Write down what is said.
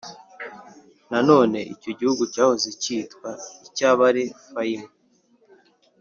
nanone icyo gihugu cyahoze cyitwa icy’abarefayimu